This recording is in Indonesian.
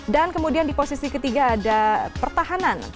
dan kemudian di posisi ketiga ada pertahanan